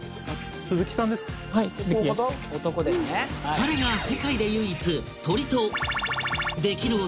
彼が世界で唯一鳥とできる男